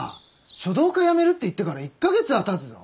書道家辞めるって言ってから１カ月はたつぞ。